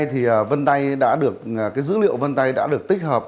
hiện nay thì dữ liệu vân tay đã được tích hợp